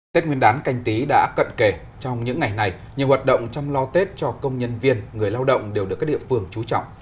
tết nguyên đán canh tí đã cận kể trong những ngày này nhiều hoạt động chăm lo tết cho công nhân viên người lao động đều được các địa phương trú trọng